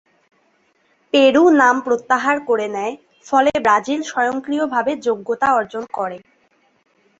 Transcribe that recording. Peru নাম প্রত্যাহার করে নেয়, ফলে ব্রাজিল স্বয়ংক্রিয়ভাবে যোগ্যতা অর্জন করে।